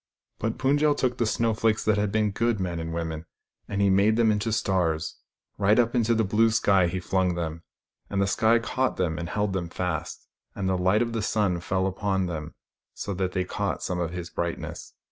But Pund jel took the snowflakes that had been good men and women, and he made them into stars. Right up into the blue sky he flung them ; and the sky caught them and held them fast, and the light of the sun fell upon them so that they caught some of his brightness.